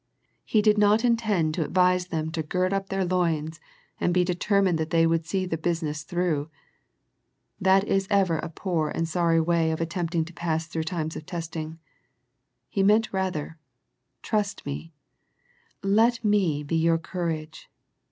He did not in tend to advise them to gird up their loins and The Smyrna Letter 73 be determined that they would see the business through. That is ever a poor and sorry way of attempting to pass through times of testing. He meant rather, Trust Me, let Me be your courage.